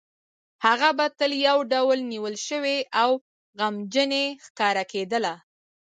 هغه به تل یو ډول نیول شوې او غمجنې ښکارېدله